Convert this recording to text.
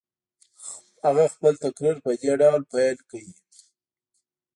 هغه خپل تقریر په دې ډول پیل کړ.